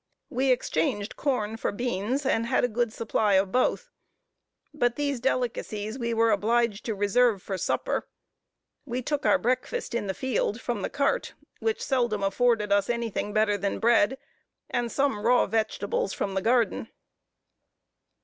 We exchanged corn for beans, and had a good supply of both; but these delicacies we were obliged to reserve for supper. We took our breakfast in the field, from the cart, which seldom afforded us any thing better than bread, and some raw vegetables from the garden.